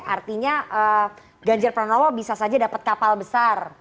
artinya ganjar pranowo bisa saja dapat kapal besar